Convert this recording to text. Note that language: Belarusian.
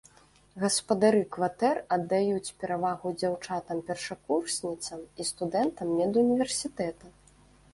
Гаспадары кватэр аддаюць перавагу дзяўчатам-першакурсніцам і студэнтам медуніверсітэта.